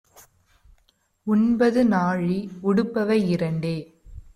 உண்பது நாழி; உடுப்பவை இரண்டே